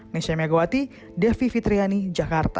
nesya megawati devi fitriani jakarta